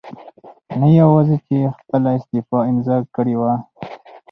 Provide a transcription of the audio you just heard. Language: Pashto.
نه یواځې چې خپله استعفاء امضا کړې وه